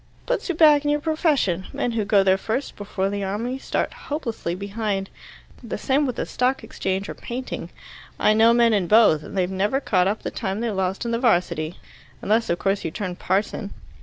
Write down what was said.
"Puts you back in your profession. Men who go there first, before the Army, start hopelessly behind. The same with the Stock Exchange or Painting. I know men in both, and they've never caught up the time they lost in the 'Varsity unless, of course, you turn parson."